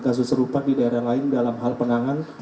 kasus serupa di daerah lain dalam hal penanganan